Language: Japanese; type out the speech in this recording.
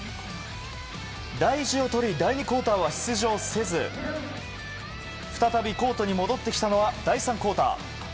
大事をとり第２クオーターは出場せず再びコートに戻ってきたのは第３クオーター。